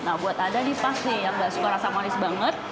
nah buat anda yang pasti nggak suka rasa manis banget